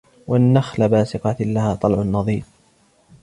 والنخل باسقات لها طلع نضيد